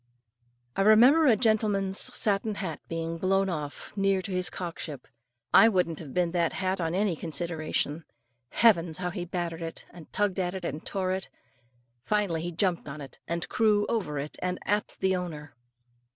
I remember a gentleman's satin hat being blown off near to his cockship. I wouldn't have been that hat on any consideration. Heavens! how he battered it, and tugged at it, and tore it; finally he jumped on it, and crew over it and at the owner.